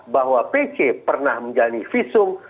bahwa pc pernah menjalani visum